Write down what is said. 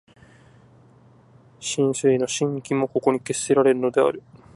思惟の真偽もここに決せられるのである。